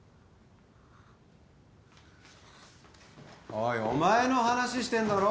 おいお前の話してんだろ！？